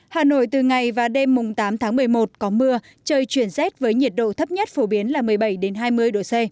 hà nội từ ngày và đêm mùng tám tháng một mươi một có mưa trời chuyển rét với nhiệt độ thấp nhất phổ biến là một mươi bảy hai mươi độ c